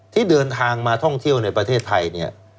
ที่เดินทางมาท่องเที่ยวในประเทศไทยเนี่ย